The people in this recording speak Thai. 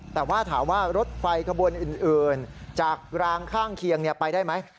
แต่ว่าถามว่ารถไฟขบวนอื่นจากรางข้างเคียงไปได้ไหม